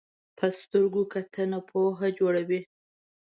په سترګو کتنه پوهه جوړوي